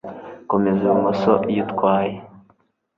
Komeza ibumoso iyo utwaye